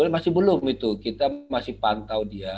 masih belum itu kita masih pantau dia